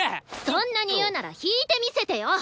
そんなに言うなら弾いて見せてよ。